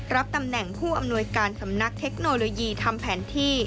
รับตำแหน่งผู้อำนวยการสำนักเทคโนโลยีทำแผนที่